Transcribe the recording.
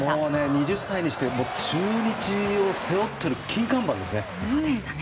２０歳にして中日を背負っている金看板でしたね。